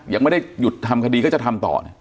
ยังไม่ได้หยุดทำคดีก็จะทำต่อเนี่ย